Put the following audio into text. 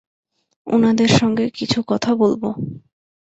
ওনাদের সঙ্গে কিছু কথা বলব!